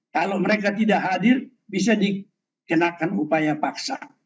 kalau mereka tidak hadir bisa dikenakan upaya paksa